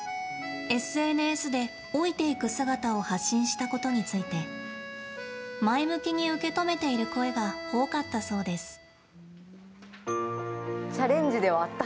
ＳＮＳで、老いていく姿を発信したことについて前向きに受け止めている声が多かったそうです。